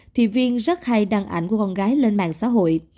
thì viên rất hay đăng ảnh của con gái lên mạng xã hội